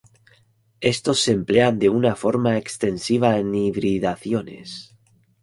Estos se emplean de una forma extensiva en hibridaciones.